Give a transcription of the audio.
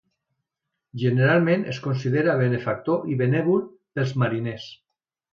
Generalment es considera benefactor i benèvol pels mariners.